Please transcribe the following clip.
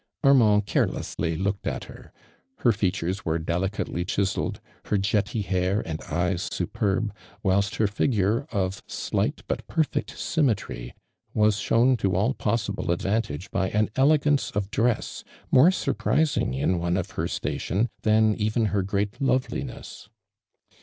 Arnlaha' carfelfessly looked at her. Her features wei'e dfelicjltely' chiselled, her jetty hair and eyeri superb, whilst her figure^ of slight btifpertfect symlAetry, was shown t» all p6.«isJl)le advantage by an elegance of df eps m6i*e svtrjtrising in one of her sUitioh, than even her great loveliness.